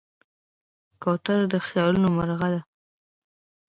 کوتره د خیالونو مرغه ده.